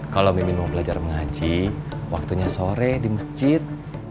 kalau memang mau belajar mengaji waktunya sore di masjid